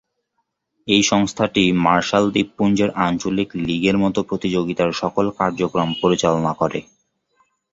এই সংস্থাটি মার্শাল দ্বীপপুঞ্জের আঞ্চলিক লীগের মতো প্রতিযোগিতার সকল কার্যক্রম পরিচালনা করে।